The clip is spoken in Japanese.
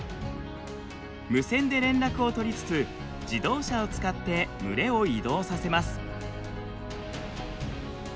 無線で連絡を取りつつ自動車を使って群れを移動させます。